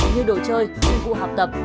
như đồ chơi dụng cụ học tập